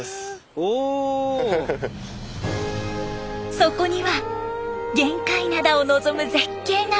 そこには玄界灘を望む絶景が！